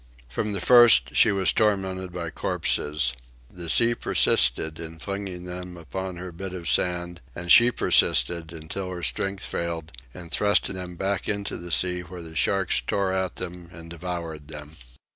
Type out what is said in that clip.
From the first she was tormented by corpses. The sea persisted in flinging them upon her bit of sand, and she persisted, until her strength failed, in thrusting them back into the sea where the sharks tore at them and devoured them.